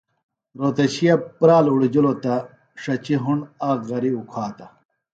رھوتشِیہ پرال اڑِجِلوۡ تہ ݜچیۡ ہُنڈ آک غریۡ اُکھاتہ